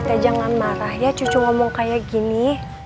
dede teh jangan marah ya cucu ngomong kayak gini